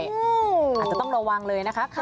อาจจะต้องระวังเลยนะคะ